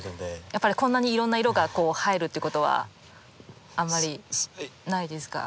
やっぱりこんなにいろんな色が入るっていうことはあんまりないですか？